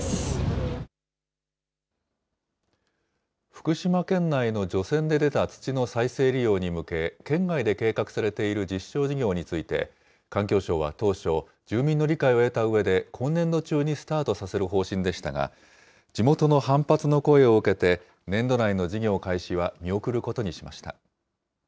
福島県内の除染で出た土の再生利用に向け、県外で計画されている実証事業について、環境省は当初、住民の理解を得たうえで、今年度中にスタートさせる方針でしたが、地元の反発の声を受けて、年度内の事業開始は見送ることにしました。